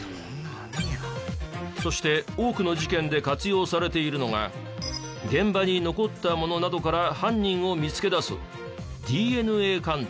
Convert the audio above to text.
そして多くの事件で活用されているのが現場に残ったものなどから犯人を見つけ出すＤＮＡ鑑定。